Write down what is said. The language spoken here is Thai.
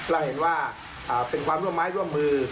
เราเห็นว่าเป็นความร่วมไม้ร่วมมือ